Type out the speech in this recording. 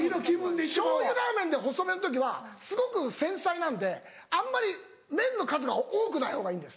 醤油ラーメンで細麺の時はすごく繊細なんであんまり麺の数が多くないほうがいいんです。